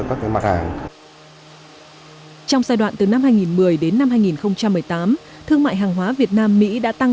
và các mặt hàng trong giai đoạn từ năm hai nghìn một mươi đến năm hai nghìn một mươi tám thương mại hàng hóa việt nam mỹ đã tăng